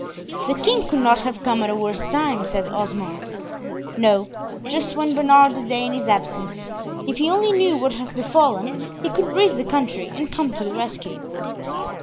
"The king could not have come at a worse time," said Osmond. "No, just when Bernard the Dane is absent. If he only knew what has befallen, he could raise the country, and come to the rescue."